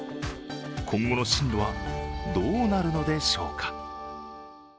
今後の進路はどうなるのでしょうか。